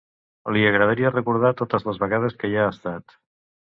Li agradaria recordar totes les vegades que hi ha estat.